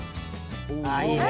あいいね。